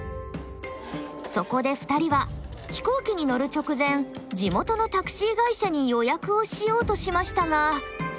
そこで２人は飛行機に乗る直前地元のタクシー会社に予約をしようとしましたが。